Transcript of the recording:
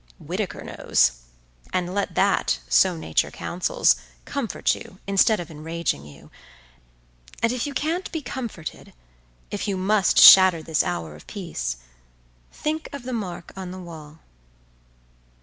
Whitaker knows, and let that, so Nature counsels, comfort you, instead of enraging you; and if you can't be comforted, if you must shatter this hour of peace, think of the mark on the wall.